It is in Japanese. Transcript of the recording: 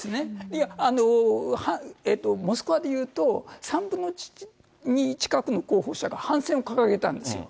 いや、モスクワでいうと、３分の２近くの候補者が反戦を掲げたんですよ。